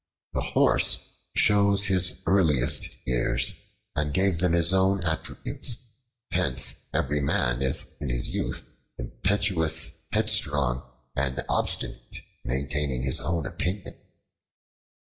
The Horse chose his earliest years and gave them his own attributes: hence every man is in his youth impetuous, headstrong, and obstinate in maintaining his own opinion.